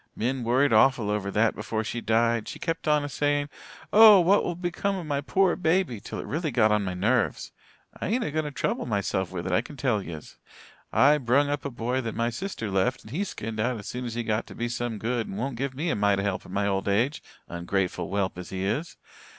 "Min worried awful over that before she died. She kept on a saying 'Oh, what will become of my pore baby' till it really got on my nerves. I ain't a going to trouble myself with it, I can tell yez. I brung up a boy that my sister left and he skinned out as soon as he got to be some good and won't give me a mite o' help in my old age, ungrateful whelp as he is.